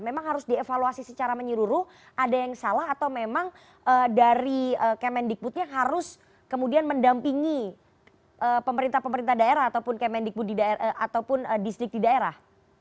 memang harus dievaluasi secara menyuruh nyuruh ada yang salah atau memang dari kemendikbud yang harus kemudian mendampingi pemerintah pemerintah daerah ataupun kemendikbud di daerah ataupun distrik di daerah